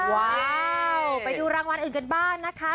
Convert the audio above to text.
ว้าวไปดูรางวัลอื่นกันบ้างนะคะ